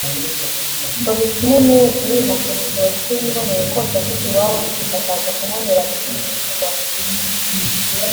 ngo bitume umwe wese yiha kurujora uko yiboneye kwose asize iwabo bicika akaza kubonerana igihugu cy’u Rwanda